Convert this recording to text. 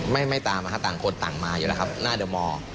ไม่ตามนะครับต่างคนต่างมาอยู่แล้วครับหน้าเดอร์มอร์